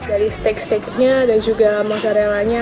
dari steak steaknya dan juga mozzarella nya